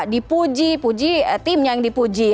dipuji puji tim yang dipuji